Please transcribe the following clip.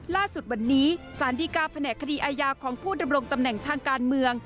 ล่าสุดวันนี้สารดีกาแผนกคดีอาญาของผู้ดำรงตำแหน่งทางการเมือง